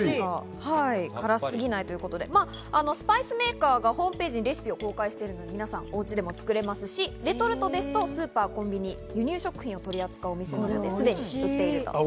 スパイスメーカーがホームページにレシピを公開してるので、皆さん、おうちでも作れますし、レトルトですとスーパー、コンビニ、輸入食品を取り扱うお店ですでに売られています。